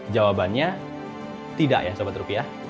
jawabannya tidak ya sobat rupiah